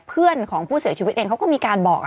เพื่อนของผู้เสียชีวิตเองเขาก็มีการบอก